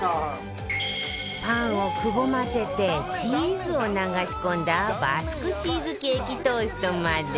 パンをくぼませてチーズを流し込んだバスクチーズケーキトーストまで